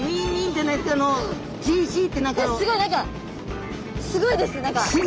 すごい何かすごいです何か。